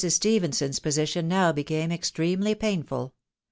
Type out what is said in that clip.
Stephenson's position now became extremely painful.